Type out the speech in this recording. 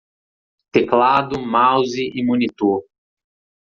Teclado, mouse e monitor.